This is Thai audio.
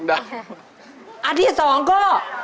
อันที่สองก็